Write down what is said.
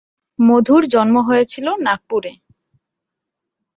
মধুর জন্ম হয়েছিলো নাগপুরে।